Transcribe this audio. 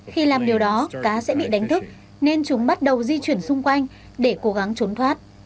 khi làm điều đó cá sẽ bị đánh thức nên chúng bắt đầu di chuyển xung quanh để cố gắng trốn thoát